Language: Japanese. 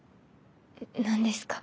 何ですか？